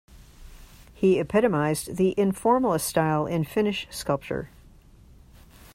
He epitomised the Informalist style in Finnish sculpture.